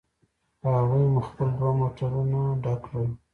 په هغوی مو خپل دوه موټرونه ډک کړل.